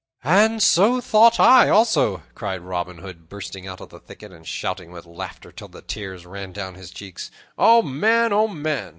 "And so thought I, also," cried Robin Hood, bursting out of the thicket and shouting with laughter till the tears ran down his cheeks. "O man, man!"